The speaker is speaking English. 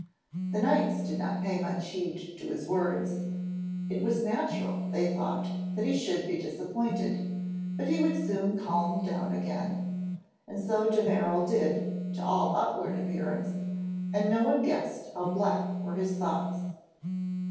The Knights did not pay much heed to his words; it was natural, they thought, that he should be disappointed, but he would soon calm down again. And so de Merall did, to all outward appearance, and no one guessed how black were his thoughts.